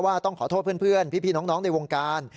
ต้องขอโทษเพื่อนพี่น้องในวงการ